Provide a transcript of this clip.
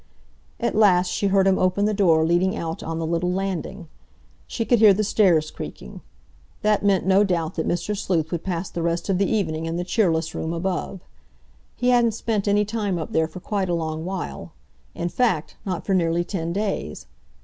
At last she heard him open the door leading out on the little landing. She could hear the stairs creaking. That meant, no doubt, that Mr. Sleuth would pass the rest of the evening in the cheerless room above. He hadn't spent any time up there for quite a long while—in fact, not for nearly ten days.